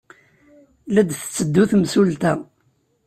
La d-tetteddu temsulta.